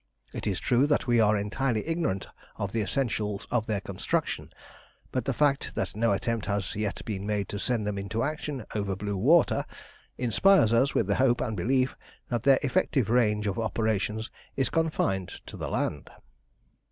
It is true that we are entirely ignorant of the essentials of their construction; but the fact that no attempt has yet been made to send them into action over blue water inspires us with the hope and belief that their effective range of operations is confined to the land....